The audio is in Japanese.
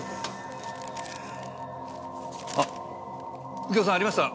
右京さんありました！